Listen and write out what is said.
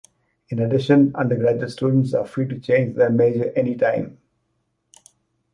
In addition, undergraduate students are free to change their major anytime.